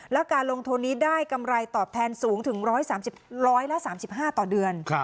และการลงทนนี้ได้กำไรตอบแทนสูงถึงร้อยสามสิบร้อยและสามสิบห้าต่อเดือน